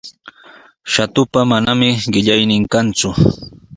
Shatupa manami qillaynin kanku.